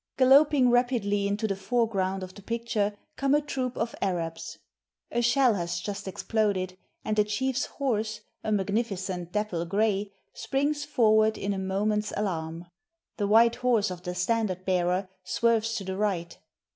Galloping rapidly into the foreground of the picture come a troop of Arabs. A shell has just exploded, and the chief's horse, a magnificent dapple gray, springs forward in a moment's alarm. The white horse of the standard bearer swerves to the right.